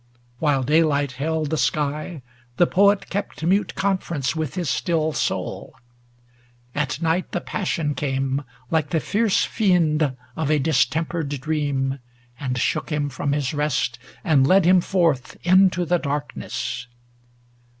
While daylight held The sky, the Poet kept mute conference With his still soul. At night the passion came, Like the fierce fiend of a distempered dream, And shook him from his rest, and led him forth Into the darkness.